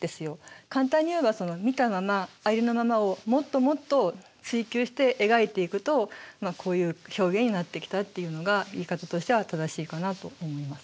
簡単に言えば見たままありのままをもっともっと追求して描いていくとこういう表現になってきたっていうのが言い方としては正しいかなと思います。